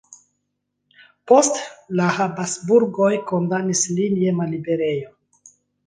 Poste la Habsburgoj kondamnis lin je malliberejo.